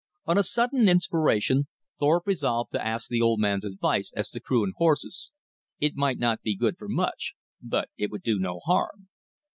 On a sudden inspiration Thorpe resolved to ask the old man's advice as to crew and horses. It might not be good for much, but it would do no harm.